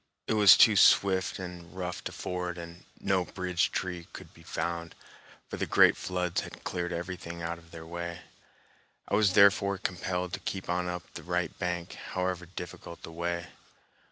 It was too swift and rough to ford, and no bridge tree could be found, for the great floods had cleared everything out of their way. I was therefore compelled to keep on up the right bank, however difficult the way.